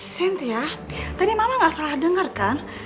sintia tadi mama nggak salah dengar kan